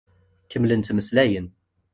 Kemmlen ttmeslayen.